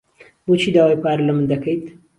بۆچی داوای پارە لە من دەکەیت؟